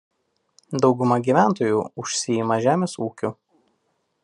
Dauguma gyventojų užsiima žemės ūkiu.